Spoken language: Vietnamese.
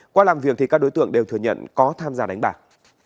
qua làm việc thì các đối tượng đều thừa nhận có tham gia đánh bạc